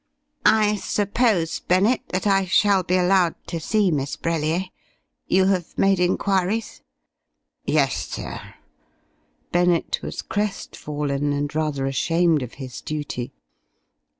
"I suppose, Bennett, that I shall be allowed to see Miss Brellier? You have made enquiries?" "Yes, sir." Bennett was crestfallen and rather ashamed of his duty.